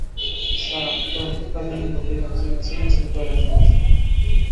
Sir আত্মহত্যাকারী নবীন একজন chain ছিনতাইয়ের আসামি, স্যার।